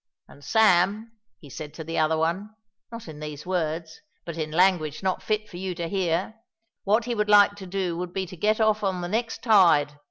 And Sam, he said to the other one not in these words, but in language not fit for you to hear what he would like to do would be to get off on the next tide.